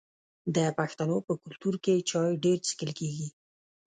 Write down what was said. د پښتنو په کلتور کې چای ډیر څښل کیږي.